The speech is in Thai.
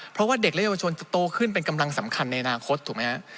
เพราะว่าเด็กและเยาวชนจะโตขึ้นเป็นกำลังสำคัญในอนาคตถูกไหมฮะ